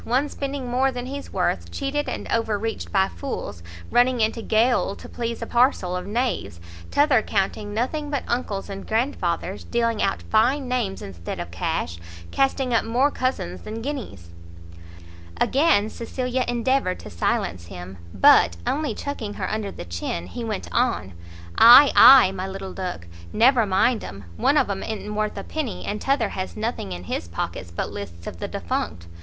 one spending more than he's worth, cheated and over reached by fools, running into gaol to please a parcel of knaves; t'other counting nothing but uncles and grandfathers, dealing out fine names instead of cash, casting up more cousins than guineas " Again Cecilia endeavoured to silence him, but, only chucking her under the chin, he went on, "Ay, ay, my little duck, never mind 'em; one of 'em i'n't worth a penny, and t'other has nothing in his pockets but lists of the defunct.